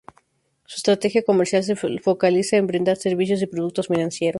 Su estrategia comercial se focaliza en brindar servicios y productos financieros.